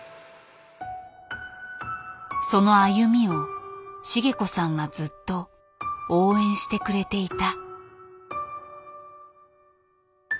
その歩みを茂子さんはずっと応援してくれていた。